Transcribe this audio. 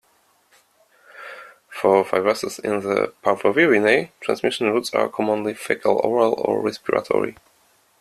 For viruses in the "Parvovirinae" transmission routes are commonly fecal-oral or respiratory.